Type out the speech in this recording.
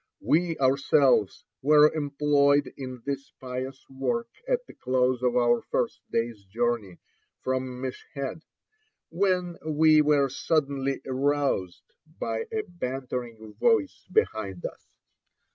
We ourselves were employed in this pious work at the close of our first day's journey from Meshed when we were suddenly aroused by a bantering voice behind us.